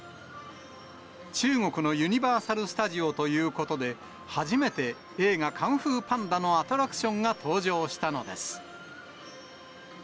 中国のユニバーサル・スタジオということで、初めて、映画、カンフーパンダのアトラクションが登場したのです。